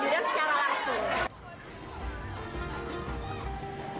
gebiuran secara langsung